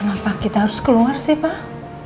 kenapa kita harus keluar sih pak